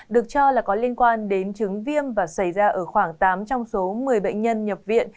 được cho là có liên quan đến chứng viêm và xảy ra ở khoảng tám trong số một mươi bệnh nhân nhập viện